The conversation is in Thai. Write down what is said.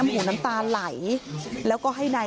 หมาก็เห่าตลอดคืนเลยเหมือนมีผีจริง